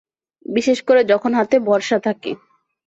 বিশেষ করে যখন হাতে বর্ষা থাকে।